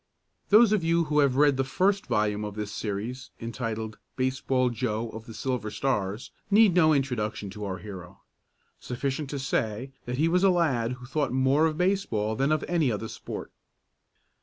Those of you who have read the first volume of this series entitled, "Baseball Joe of the Silver Stars," need no introduction to our hero. Sufficient to say that he was a lad who thought more of baseball than of any other sport.